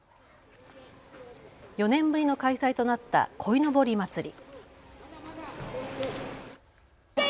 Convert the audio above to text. ４年ぶりの開催となった鯉のぼり祭り。